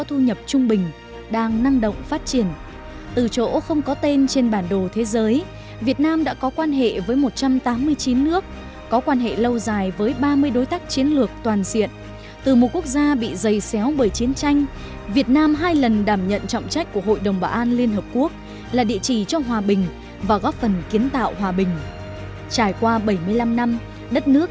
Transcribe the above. tựu chung lại vị thế việt nam nay đã khác xa so với bảy mươi năm năm trước